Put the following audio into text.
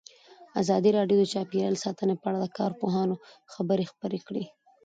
ازادي راډیو د چاپیریال ساتنه په اړه د کارپوهانو خبرې خپرې کړي.